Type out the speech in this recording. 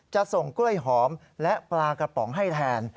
จะส่งกล้วยหอมและปลากระป๋องให้แทน